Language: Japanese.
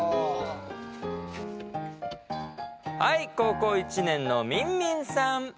はい高校１年のみんみんさん。